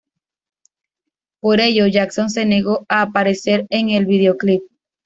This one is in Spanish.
Por ello, Jackson se negó a aparecer en el videoclip.